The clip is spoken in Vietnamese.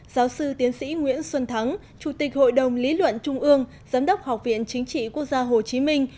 giáo sư tiến sĩ nguyễn xuân thắng chủ tịch hội đồng lý luận trung ương giám đốc học viện chính trị quốc gia hồ chí minh